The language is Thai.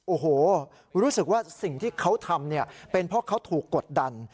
โอ้โหรู้สึกว่าสิ่งที่เขาทำเป็นเพราะเขาถูกกดดัน